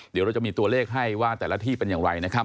เดี๋ยวเราจะมีตัวเลขให้ว่าแต่ละที่เป็นอย่างไรนะครับ